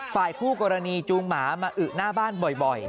ฝ่ายคู่กรณีจูงหมามาอึหน้าบ้านบ่อย